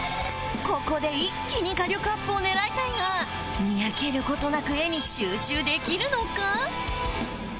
ここで一気に画力アップを狙いたいがにやける事なく絵に集中できるのか？